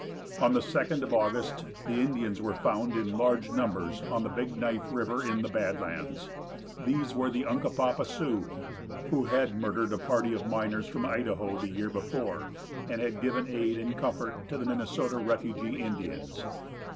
On the 2d of August the Indians were found in large numbers on the Big Knife river, in the Bad lands. These were Unca Papa Sioux, who had murdered a party of miners from Idaho the year before, and had given aid and comfort to the Minnesota refugee Indians.